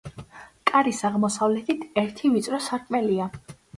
კარის აღმოსავლეთით ერთი ვიწრო სარკმელია.